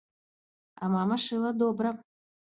А мама шыла добра.